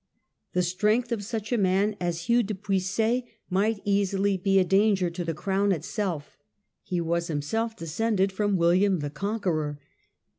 The strength of such a man as Hugh de Puiset might easily be a danger to the crown itself. He was himself descended from William the Conqueror.